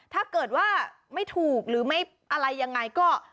ถ้าเกิดว่าไม่ถูกหรือไม่อะไรยังไงก็